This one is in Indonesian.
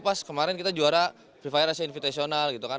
pas kemarin kita juara fire asia invitational gitu kan